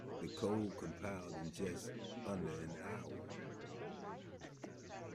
The code compiled in just under an hour.